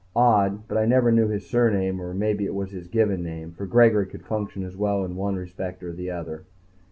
Odd, but I never knew his surname, or maybe it was his given name, for Gregory could function as well in one respect as the other.